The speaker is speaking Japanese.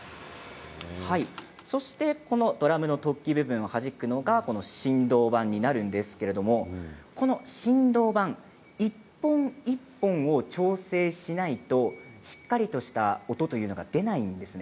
このドラムの突起部分をはじくのが振動板になるんですけれども振動板一本一本を調整しないとしっかりとした音というのが出ないんです。